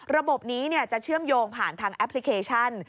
ระบบนี้จะเชื่อมโยงผ่านทางแอปพลิเคชัน